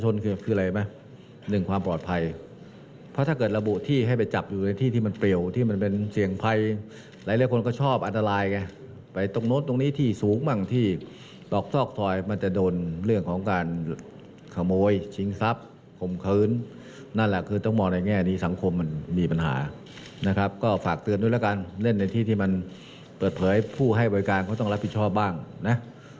ในที่ที่มันเปิดเผยผู้ให้บริการเค้าต้องรับผิดชอบบ้างนะ